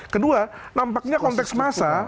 kedua nampaknya konteks masa